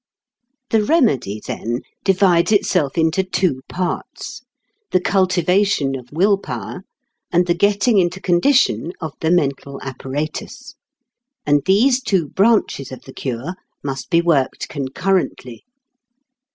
The remedy, then, divides itself into two parts, the cultivation of will power, and the getting into condition of the mental apparatus. And these two branches of the cure must be worked concurrently.